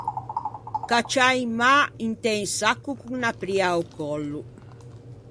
Cacciâ in mâ un inte un sacco con unna pria a-o còllo.